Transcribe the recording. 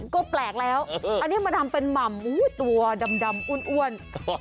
ก็แปลกแล้วอันนี้มาทำเป็นหม่ำตัวดำอ้วน